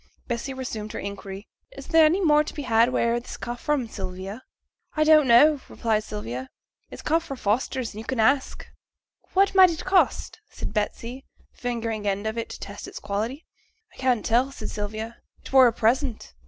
Bessy resumed her inquiry. 'Is there any more to be had wheere that come fra', Sylvia?' 'I don't know,' replied Sylvia. 'It come fra' Foster's, and yo' can ask.' 'What might it cost?' said Betsy, fingering an end of it to test its quality. 'I can't tell,' said Sylvia, 'it were a present.'